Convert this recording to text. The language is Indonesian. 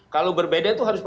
kalau berbeda itu harus